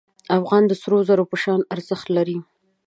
افغان د سرو زرو په شان ارزښت لري.